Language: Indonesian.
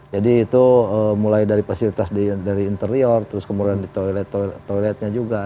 jadi itu mulai dari fasilitas dari interior terus kemudian di toilet toiletnya juga